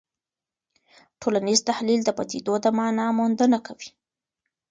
ټولنیز تحلیل د پدیدو د مانا موندنه کوي.